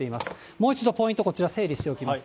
もう一度ポイント、こちら整理しておきます。